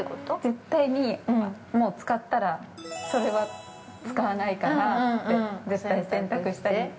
◆絶対に、もう、使ったら、それは使わないからって洗濯したり。